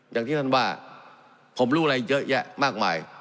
อย่างที่ท่านว่าผมรู้อะไรเยอะแยะมากมาย